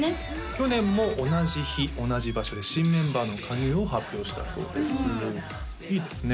去年も同じ日同じ場所で新メンバーの加入を発表したそうですいいですね